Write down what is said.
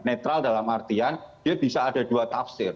netral dalam artian dia bisa ada dua tafsir